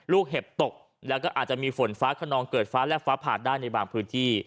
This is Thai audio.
เห็บตกแล้วก็อาจจะมีฝนฟ้าขนองเกิดฟ้าและฟ้าผ่าได้ในบางพื้นที่